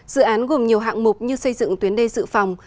dự án gồm nhiều hạng mục như xây dựng tuyến đê dự phòng